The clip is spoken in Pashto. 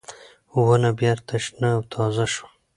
ونه بېرته شنه او تازه شوه.